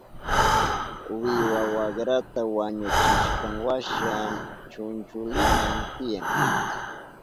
Wiwa wakrata wañuchishkanwasha chunchulinan tiyan.